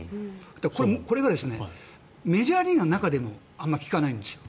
これがメジャーリーガーの中でもあまり聞かないんです。